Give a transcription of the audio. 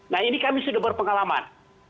nah ini kami sudah berpengalaman